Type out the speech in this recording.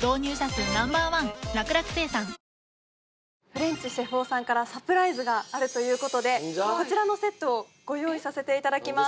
フレンチシェフ男さんからサプライズがあるということでこちらのセットをご用意させていただきます。